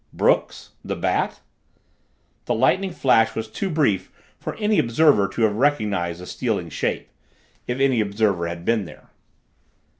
Brooks? The Bat? The lightning flash was too brief for any observer to have recognized the stealing shape if any observer had been there.